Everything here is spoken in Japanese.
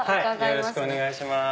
よろしくお願いします。